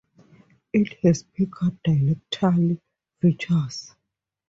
It has Picard dialectal features.